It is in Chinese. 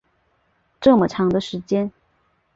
这么长的时间